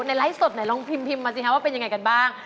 ไลฟ์สดไหนลองพิมพ์มาสิคะว่าเป็นยังไงกันบ้าง